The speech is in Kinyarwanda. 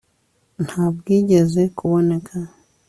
nta bwigeze kuboneka